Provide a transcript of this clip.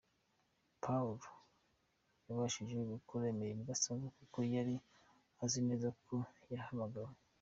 Pawulo yabashije gukora imirimo idasanzwe kuko yari azi neza ko yahamagawe.